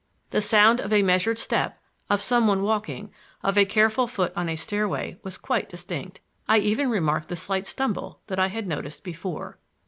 The sound of a measured step, of some one walking, of a careful foot on a stairway, was quite distinct. I even remarked the slight stumble that I had noticed before.